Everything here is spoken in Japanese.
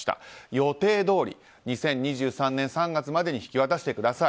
予定どおり２０２３年３月までに引き渡してください。